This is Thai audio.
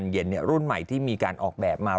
๑๐๐๐เย้นนี้รุ่นใหม่ที่มีการออกแบบมา